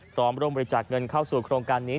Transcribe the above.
พร้อมร่วมบริจาคเงินเข้าสู่โครงการนี้